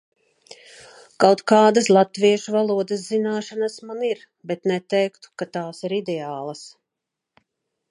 Kaut kādas latviešu valodas zināšanas man ir, bet neteiktu, ka tās ir ideālas.